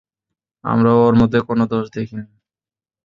আমরা ওর মধ্যে কোন দোষ দেখিনি।